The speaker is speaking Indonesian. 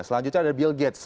selanjutnya ada bill gates